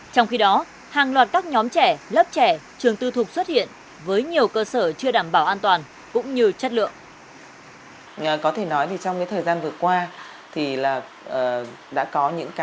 trong khi đó hàng loạt các nhóm trẻ lớp trẻ trường tư thục xuất hiện với nhiều cơ sở chưa đảm bảo an toàn cũng như chất lượng